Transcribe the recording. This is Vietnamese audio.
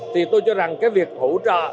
thì tôi cho rằng cái việc hỗ trợ